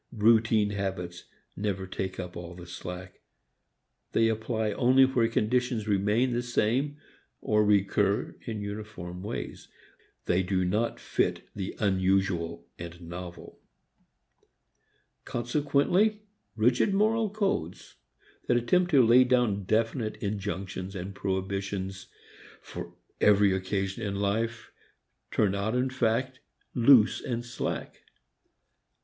Routine habits never take up all the slack. They apply only where conditions remain the same or recur in uniform ways. They do not fit the unusual and novel. Consequently rigid moral codes that attempt to lay down definite injunctions and prohibitions for every occasion in life turn out in fact loose and slack.